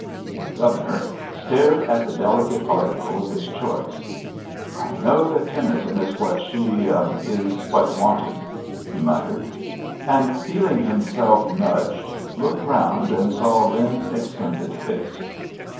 The Governor stared at the delicate ar ticle of his choice. "I know that Tenny son is what she — is what's wanted," he muttered; and, feelii^ himself nudged, looked around and saw Lin's extended list.